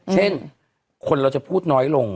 เช่นคนเราจะพูดน้อยลง